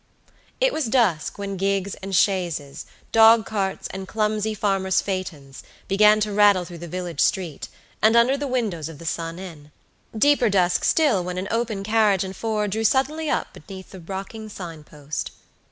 It was dusk when gigs and chaises, dog carts and clumsy farmers' phaetons, began to rattle through the village street, and under the windows of the Sun Inn; deeper dusk still when an open carriage and four drew suddenly up beneath the rocking sign post.